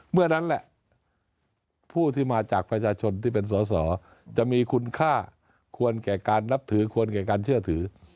เมื่อนั้นแหละผู้ที่มาจากประชาชนที่เป็นสอสอจะมีคุณค่าควรแก่การนับถือควรแก่การเชื่อถือ